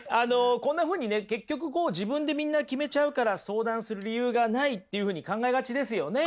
こんなふうにね結局こう自分でみんな決めちゃうから相談する理由がないっていうふうに考えがちですよね。